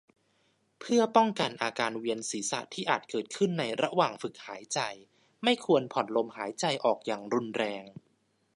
เพื่อป้องกันอาการเวียนศีรษะที่อาจเกิดขึ้นในระหว่างฝึกหายใจ ไม่ควรผ่อนลมหายใจออกอย่างรุนแรง